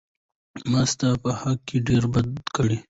ما ستا په حق کې ډېره بدي کړى.